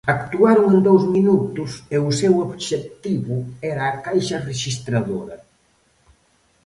Actuaron en dous minutos e o seu obxectivo era a caixa rexistradora.